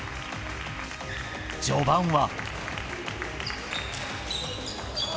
序盤は。